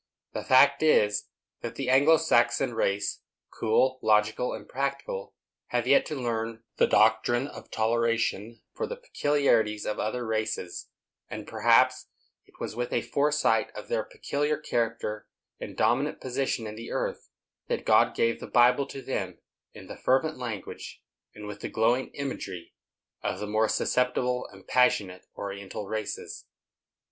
The fact is, that the Anglo Saxon race—cool, logical and practical—have yet to learn the doctrine of toleration for the peculiarities of other races; and perhaps it was with a foresight of their peculiar character, and dominant position in the earth, that God gave the Bible to them in the fervent language and with the glowing imagery of the more susceptible and passionate oriental races.